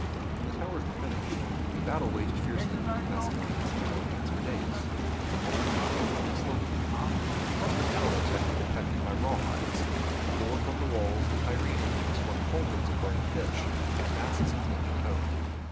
When the towers were finished, a battle waged fiercely between Macedonians and Tyrians for days, the mole meanwhile growing slowly. The front of the towers had to be protected by rawhides, for from their walls the Tyrian en gines flung cauldrons of burning pitch and masses of flaming tow.